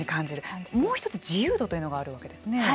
もう一つ自由度というのがあるわけですね。